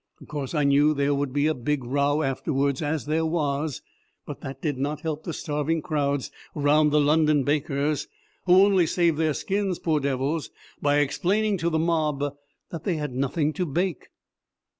Of course, I knew there would be a big row afterwards as there was but that did not help the starving crowds round the London bakers, who only saved their skins, poor devils, by explaining to the mob that they had nothing to bake.